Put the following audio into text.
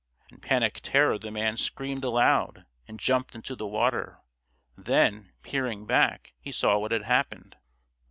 In panic terror the man screamed aloud and jumped into the water, then, peering back, he saw what had happened.